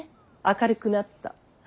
明るくなった。